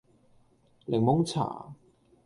檸檬茶